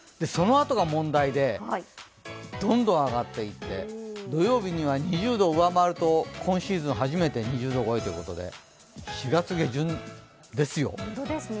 そのあとが問題で、どんどん上がっていって土曜日には２０度を上回ると、今シーズン初めて２０度超えということで、４月下旬ですよ。